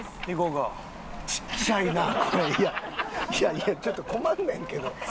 いやちょっと困るねんけど。